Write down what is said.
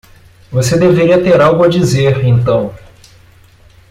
Você deveria ter algo a dizer então!